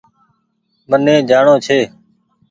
مهني جآڻو ڇي